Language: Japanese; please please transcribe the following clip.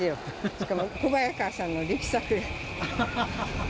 しかも小早川さんの力作で。